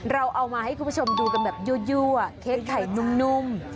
เราเอามาให้คุณผู้ชมดูกันแบบยั่วเค้กไข่นุ่ม